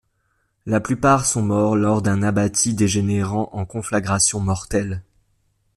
La plupart sont morts lors d'un abattis dégénérant en conflagration mortelle.